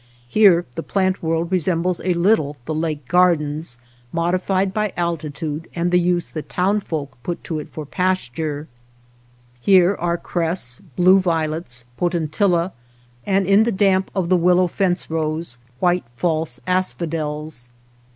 Here the plant world resembles a little the lake gardens, modified by altitude and the use the town folk put it to for pasture. Here are cress, blue violets, potentilla, and, in the damp of the willow fence rows, white false asphodels.